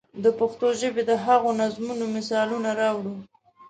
د پښتو ژبې د هغو نظمونو مثالونه راوړو.